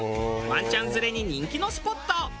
ワンちゃん連れに人気のスポット。